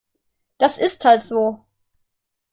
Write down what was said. Das ist halt so.